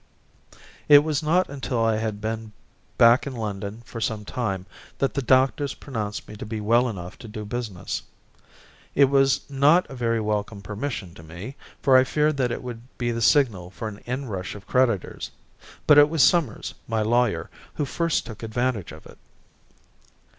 It was not until I had been back in London for some time that the doctors pronounced me to be well enough to do business. It was not a very welcome permission to me, for I feared that it would be the signal for an inrush of creditors; but it was Summers, my lawyer, who first took advantage of it.